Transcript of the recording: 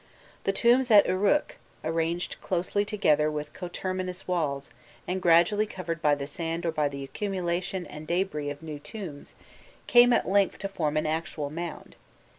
The tombs at Uruk, arranged closely together with coterminous walls, and gradually covered by the sand or by the accumulation and debris of new tombs, came at length to form an actual mound.